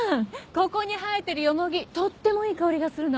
ここに生えてるヨモギとってもいい香りがするの。